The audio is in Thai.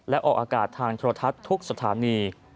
และออกอากาศทางโทรทัศน์ทุกสถานี